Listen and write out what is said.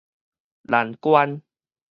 難關